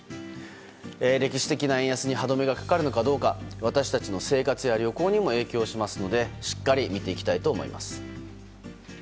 歴史的な円安に歯止めがかかるのかどうか私たちの生活や旅行にも影響しますのでしっかり見ていきたいと思います。